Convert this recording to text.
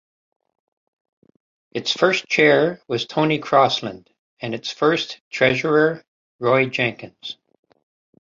Its first chair was Tony Crosland, and its first treasurer Roy Jenkins.